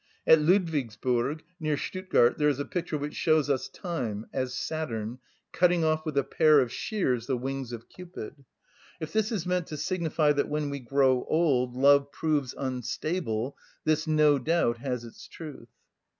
At Ludwigsburg, near Stuttgart, there is a picture which shows us time, as Saturn, cutting off with a pair of shears the wings of Cupid. If this is meant to signify that when we grow old love proves unstable, this no doubt has its truth.